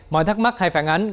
mọi thắc mắc hay phản ánh